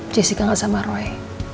jessica gak sama roy